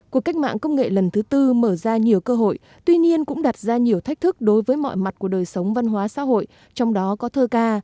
cuộc cách mạng công nghệ lần thứ tư mở ra nhiều cơ hội tuy nhiên cũng đặt ra nhiều thách thức đối với mọi mặt của đời sống văn hóa xã hội trong đó có thơ ca